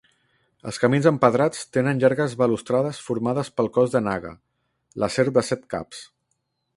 Els camins empedrats tenen llargues balustrades formades pel cos de Naga, la serp de set caps.